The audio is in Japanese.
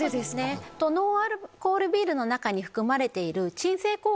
ノンアルコールビールの中に含まれている。